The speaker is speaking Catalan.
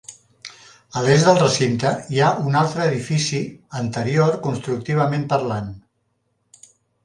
A l'est del recinte hi ha un altre edifici, anterior constructivament parlant.